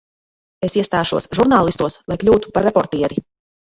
Es iestāšos žurnālistos, lai kļūtu par reportieri.